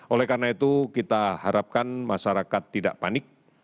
oleh karena itu kita harapkan masyarakat tidak panik